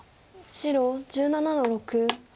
白１７の六。